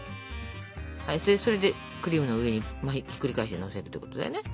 それでクリームの上にひっくり返してのせるってことだよね。